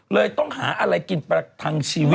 ต้องหาอะไรกินประทังชีวิต